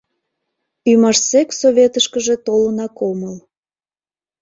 Ӱмашсек Советышкыже толынак омыл...